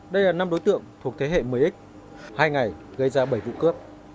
đây là năm đối tượng thuộc thế hệ một mươi x hai ngày gây ra bảy vụ cướp